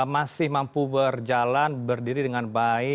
masih mampu berjalan berdiri dengan baik